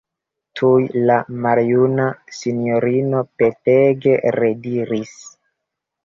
Tuj la maljuna sinjorino petege rediris: